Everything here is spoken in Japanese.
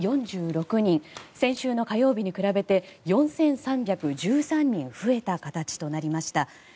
先週の火曜日に比べて４３１３人増えた形となりました。